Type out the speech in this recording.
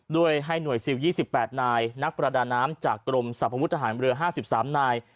ด้วยให้หน่วยซิล๒๘นายนักประดาน้ำจากกรมสรรพวุฒิทหารเรือ๕๓นาย